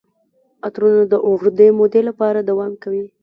عطرونه د اوږدې مودې لپاره دوام کوي.